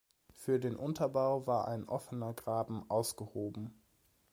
Für den Unterbau war ein offener Graben ausgehoben.